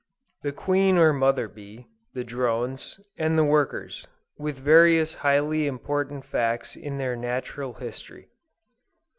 THE QUEEN OR MOTHER BEE, THE DRONES, AND THE WORKERS; WITH VARIOUS HIGHLY IMPORTANT FACTS IN THEIR NATURAL HISTORY.